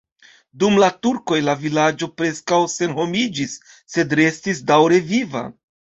Dum la turkoj la vilaĝo preskaŭ senhomiĝis, sed restis daŭre viva.